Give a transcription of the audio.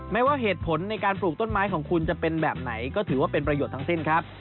ว่าเหตุผลในการปลูกต้นไม้ของคุณจะเป็นแบบไหนก็ถือว่าเป็นประโยชน์ทั้งสิ้นครับ